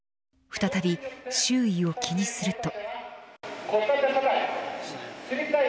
再び周囲を気にすると。